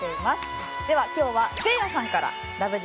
では今日はせいやさんからラブ！！